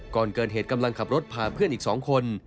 ก่อนเกิดเหตุกำลังขับรถพาเพื่อนอีก๒คน